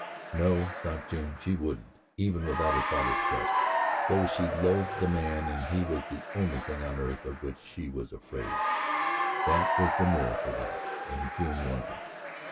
No, thought June, she wouldn't, even without her father's trust, though she loathed the man, and he was the only thing on earth of which she was afraid that was the miracle of it and June wondered.